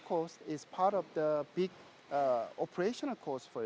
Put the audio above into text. bagian dari harga operasional besar